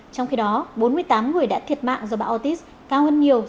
trong khi đó bốn mươi tám người đã thiệt mạng do bão ortiz cao hơn nhiều